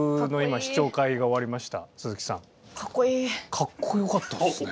かっこよかったっすね。